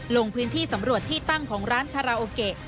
ลงพื้นที่สำรวจที่ตั้งของร้านคาราโอเกะ